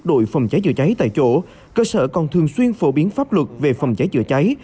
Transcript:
đội phòng cháy chữa cháy tại chỗ cơ sở còn thường xuyên phổ biến pháp luật về phòng cháy chữa cháy